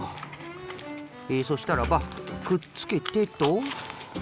えそしたらばくっつけてと。